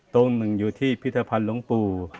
ตรงหนึ่งอยู่ที่พิธภัณฑ์หลวงปู่